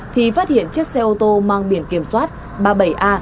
thì phát hiện chiếc xe ô tô mang biển kiểm soát giao thông